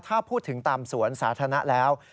ถ้าพูดถึงตามสวนสาธารณะแล้ว